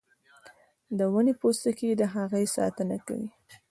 د ونې پوستکی د هغې ساتنه کوي